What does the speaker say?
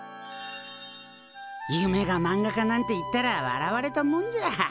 夢がまんが家なんて言ったら笑われたもんじゃ。